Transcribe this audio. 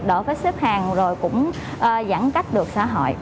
đỡ phải xếp hàng rồi cũng giãn cách được xã hội